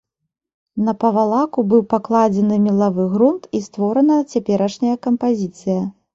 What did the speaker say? На павалаку быў пакладзены мелавы грунт і створана цяперашняя кампазіцыя.